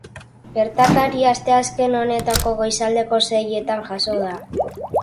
Gertakaria asteazken honetako goizaldeko seietan jazo da.